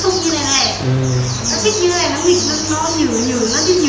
nó thích như thế này nó mịt nó nhử nhử